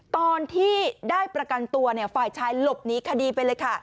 ตอนที่ได้ประกันตัวฝ่ายชายหลบหนีคดีไปเลยค่ะ